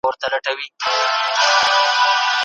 که زده کوونکي عملي زده کړه کوي، د ستړیا احساس نه کوي.